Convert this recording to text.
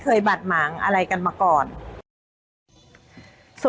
ก็เป็นสถานที่ตั้งมาเพลงกุศลศพให้กับน้องหยอดนะคะ